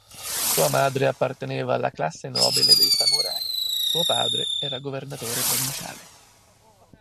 Sua madre apparteneva alla classe nobile dei samurai, suo padre era governatore provinciale.